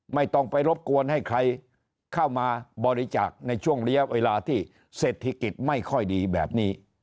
ไม่ต้องไปรบกวนให้ใครเข้ามาบริจาคในช่วงระยะเวลาที่เศรษฐกิจไม่ค่อยดีแบบนี้